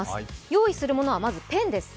用意するものは、まずペンです。